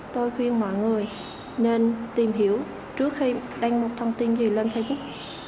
tôi khuyên mọi người nên tìm hiểu trước khi đăng một thông tin gì lên facebook